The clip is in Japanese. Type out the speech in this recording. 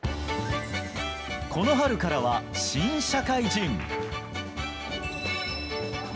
この春からは新社会人。